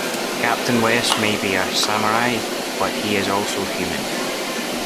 Captain West may be a Samurai, but he is also human.